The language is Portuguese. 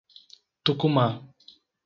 Tucumã